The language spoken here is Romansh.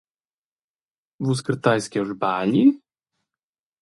Vus carteis che jeu sbagli?